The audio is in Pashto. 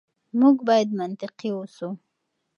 موږ بايد منطقي اوسو.